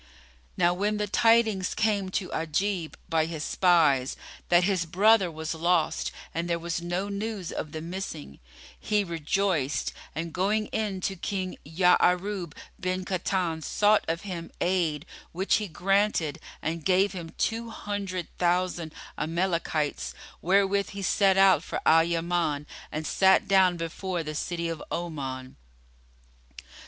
Now when the tidings came to Ajib by his spies that his brother was lost and there was no news of the missing, he rejoiced and going in to King Ya'arub bin Kahtan, sought of him aid which he granted and gave him two hundred thousand Amalekites, wherewith he set out for Al Yaman and sat down before the city of Oman.